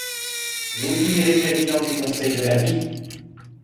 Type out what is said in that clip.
Vous finirez Président du Conseil de la Vie!